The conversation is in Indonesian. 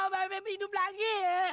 mbak mbak hidup lagi